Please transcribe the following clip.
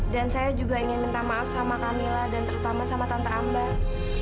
dan saya juga ingin minta maaf sama kamila dan terutama sama tante ambar